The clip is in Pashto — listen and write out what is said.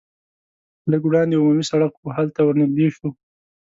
لږ وړاندې عمومي سرک و هلته ور نږدې شوو.